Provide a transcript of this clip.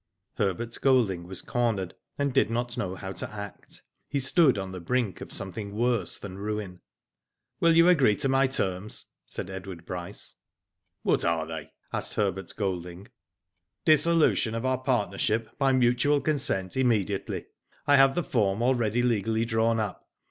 '* Herbert Golding was cornered, and did not know how to act. He stood on the brink of something worse than ruin. Will you agree to my terms?'* said Edward Bryce. "What are they?" asked Herbert Golding. *' Dissolution of our partnership by mutual consent immediately. I have the form already legally drawn up.